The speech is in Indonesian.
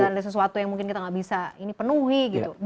ada sesuatu yang mungkin kita nggak bisa ini penuhi gitu